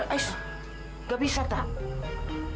ais tidak bisa tuhan